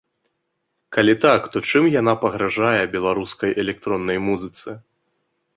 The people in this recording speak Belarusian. Калі так, то чым яна пагражае беларускай электроннай музыцы?